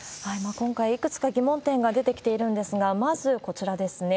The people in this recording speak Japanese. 今回、いくつか疑問点が出てきているんですが、まずこちらですね。